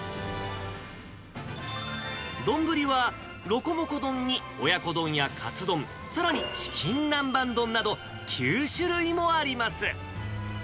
丼はロコモコ丼に親子丼やカツ丼、さらにチキン南蛮丼など、９種類もあります。